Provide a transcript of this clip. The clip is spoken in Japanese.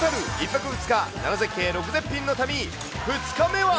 １泊２日７絶景６絶品の旅、２日目は。